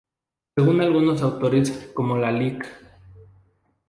Según algunos autores, como la Lic.